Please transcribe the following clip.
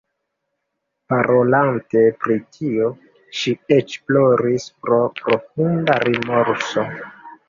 Parolante pri tio, ŝi eĉ ploris pro profunda rimorso.